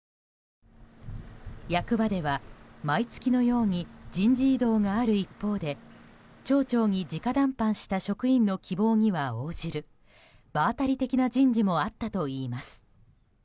役場では毎月のように人事異動がある一方で町長に直談判した職員の希望には応じる場当たり的な人事もあったといいます。